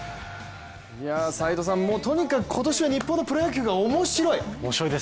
斎藤さん、とにかく今年は日本のプロ野球が面白い！